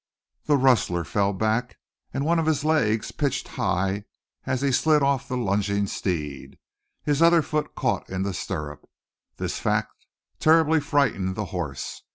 The rustler fell back, and one of his legs pitched high as he slid off the lunging steed. His other foot caught in the stirrup. This fact terribly frightened the horse.